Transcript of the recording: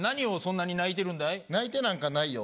泣いてなんかないよ。